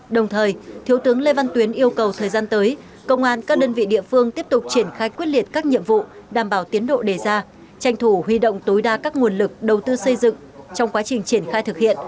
đồng thời thiếu tướng lê văn tuyến yêu cầu thời gian tới công an các đơn vị địa phương tiếp tục triển khai quyết liệt các nhiệm vụ đảm bảo tiến độ đề ra tranh thủ huy động tối đa các nguồn lực đầu tư xây dựng trong quá trình triển khai thực hiện